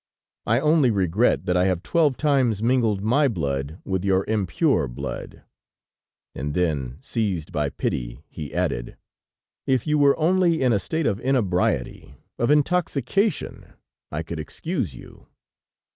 I only regret that I have twelve times mingled my blood with your impure blood." And then, seized by pity, he added: "If you were only in a state of inebriety, of intoxication, I could excuse you."